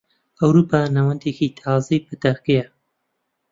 ئەوروپا ناوەندێکی تازەی پەتاکەیە.